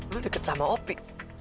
lu deket sama opi